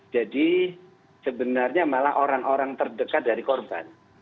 jadi sebenarnya malah orang orang terdekat dari korban